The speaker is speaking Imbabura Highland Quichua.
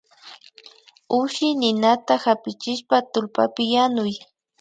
Ushi ninata hapichishpa tullpapi yanuy